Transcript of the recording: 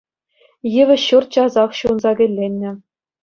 Йывӑҫ ҫурт часах ҫунса кӗлленнӗ.